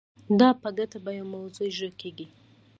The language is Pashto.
دا په ګډه په یوه موضوع اجرا کیږي.